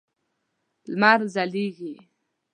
لمر ځلیږی